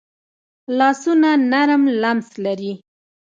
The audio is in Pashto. لاسونه نرم لمس لري